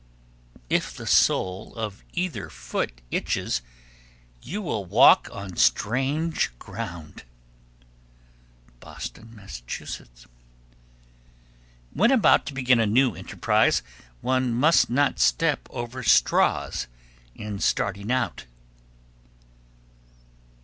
_ 1321. If the sole of either foot itches, you will walk on strange ground. Boston, Mass. 1322. When about to begin a new enterprise, one must not step over straws in starting out.